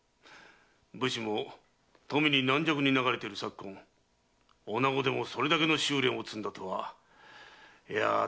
武士もとみに軟弱に流れている昨今女子でもそれだけの修練を積んだとは頼もしい限りだ。